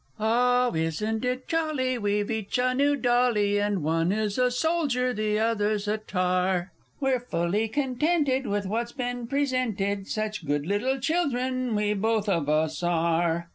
Oh, isn't it jolly! we've each a new dolly, And one is a Soldier, the other's a Tar; We're fully contented with what's been presented, Such good little children we both of us are!